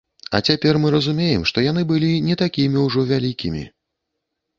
А цяпер мы разумеем, што яны былі не такімі ўжо вялікімі.